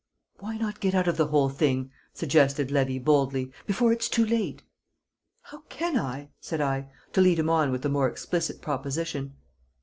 "Why not get out of the whole thing," suggested Levy, boldly, "before it's too late?" "How can I?" said I, to lead him on with a more explicit proposition.